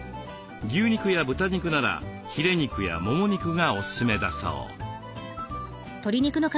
牛肉や豚肉ならヒレ肉やもも肉がおすすめだそう。